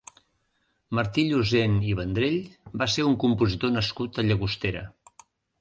Martí Llosent i Vendrell va ser un compositor nascut a Llagostera.